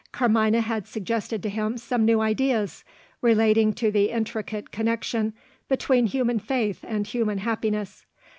Carmina had suggested to him some new ideas, relating to the intricate connection between human faith and human happiness.